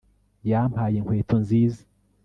yampaye inkweto nziza